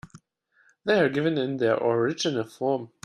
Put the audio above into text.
They are given in their original form.